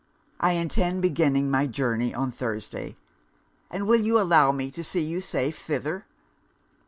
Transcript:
'I intend beginning my journey on Thursday.' 'And you will allow me to see you safe thither?'